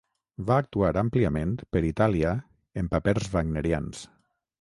Va actuar àmpliament per Itàlia en papers wagnerians.